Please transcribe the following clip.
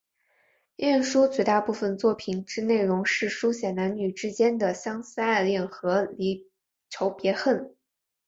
晏殊绝大部分作品之内容是抒写男女之间的相思爱恋和离愁别恨。